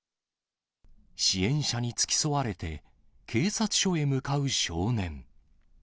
支援者に付き添われて、警察署へ向かう少年。